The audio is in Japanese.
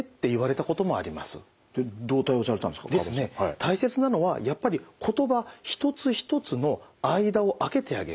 大切なのはやっぱり言葉一つ一つの間を空けてあげる。